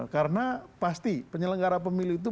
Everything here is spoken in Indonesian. karena pasti penyelenggara pemilu itu